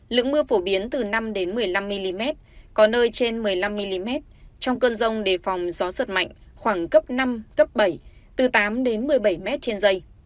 lượng mưa phổ biến từ năm một mươi năm mm có nơi trên một mươi năm mm trong cơn rông đề phòng gió giật mạnh khoảng cấp năm cấp bảy từ tám đến một mươi bảy m trên dây